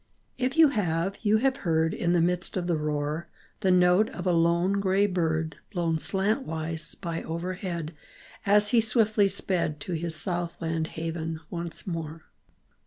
If you have, you have heard In the midst of the roar, The note of a lone gray bird, Blown slantwise by overhead As he swiftly sped To his south land haven once more